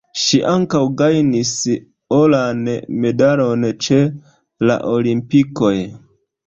Ŝi ankaŭ gajnis oran medalon ĉe la Olimpikoj.